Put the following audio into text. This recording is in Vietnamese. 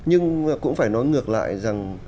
nhưng cũng phải nói ngược lại rằng